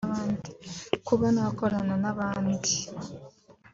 kuba nakorana n’abandi